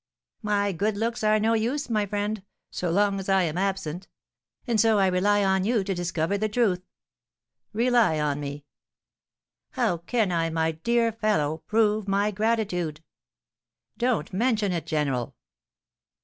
"My good looks are no use, my friend, so long as I am absent; and so I rely on you to discover the truth." "Rely on me." "How can I, my dear fellow, prove my gratitude?" "Don't mention it, general."